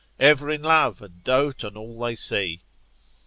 Ever in love, and dote on all they see.